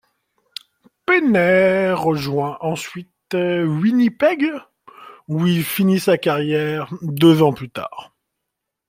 Penney rejoint ensuite Winnipeg où il finit sa carrière deux ans plus tard.